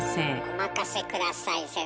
お任せ下さい先生。